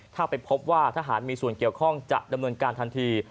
ถ้าไปพบว่าทหารมีส่วนเกี่ยวข้องจะดำเนินการทันที